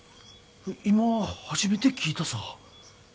今初めて聞いたさ。